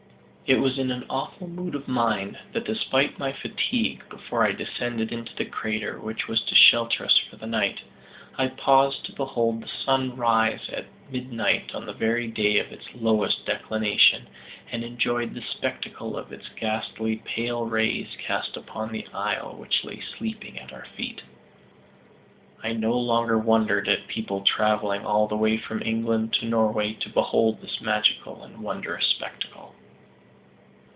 It was in an awful mood of mind, that despite my fatigue, before I descended into the crater which was to shelter us for the night, I paused to behold the sun rise at midnight on the very day of its lowest declension, and enjoyed the spectacle of its ghastly pale rays cast upon the isle which lay sleeping at our feet! I no longer wondered at people traveling all the way from England to Norway to behold this magical and wondrous spectacle.